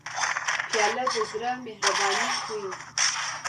پیاله د زړه مهرباني ښيي.